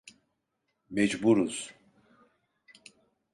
Mecburuz.